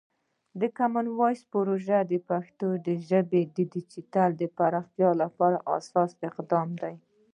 د کامن وایس پروژه د پښتو ژبې د ډیجیټل پراختیا لپاره اساسي اقدام دی.